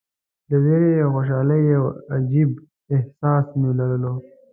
د ویرې او خوشالۍ یو عجیب احساس مې لرلو.